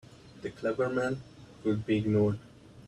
The clever men could be ignored.